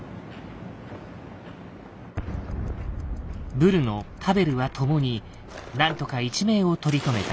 ブルノパヴェルは共に何とか一命を取り留めた。